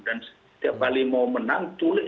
dan setiap kali mau menang turun